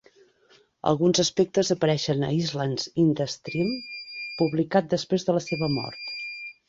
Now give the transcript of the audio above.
Alguns aspectes apareixen a "Islands in the Stream", publicat després de la seva mort.